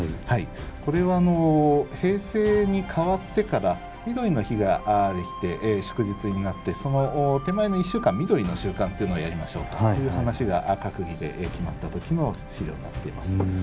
これは平成に変わってからみどりの日ができて祝日になってその手前の１週間みどりの週間というのをやりましょうという話が閣議で決まった時の資料になっています。